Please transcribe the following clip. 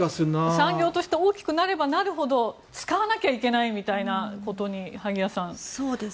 産業として大きくなればなるほど使わなきゃいけないみたいなことに萩谷さん。